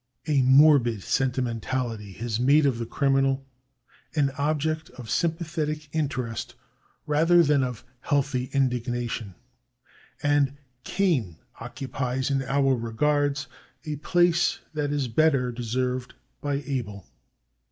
A morbid sentimentahty has made of the criminal an object of sympathetic interest rather than of healthy indignation, and Cain occupies in our regards a place that is better deserved by Abel.